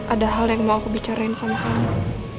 ada hal yang mau aku bicarain sama anak